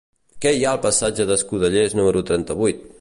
Què hi ha al passatge d'Escudellers número trenta-vuit?